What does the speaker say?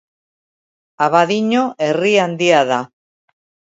Abadiño herri handia da.